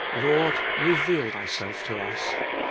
Lord, reveal Thyself to us!